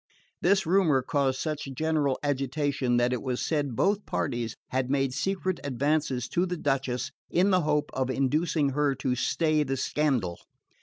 This rumour caused such general agitation that it was said both parties had made secret advances to the Duchess in the hope of inducing her to stay the scandal.